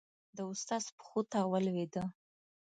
د استاد پښو ته ولوېده.